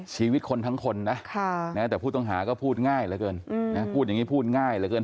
ชีวิตคนทั้งคนนะแต่ผู้ต้องหาก็พูดง่ายเหลือเกิน